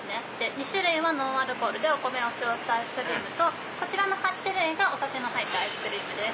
２種類はノンアルコールでお米を使用したアイスとこちらの８種類がお酒の入ったアイスです。